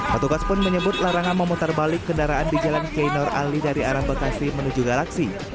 petugas pun menyebut larangan memutar balik kendaraan di jalan knor ali dari arah bekasi menuju galaksi